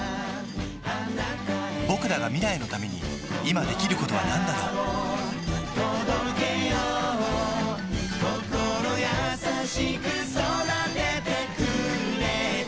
ぼくらが未来のために今できることはなんだろう心優しく育ててくれた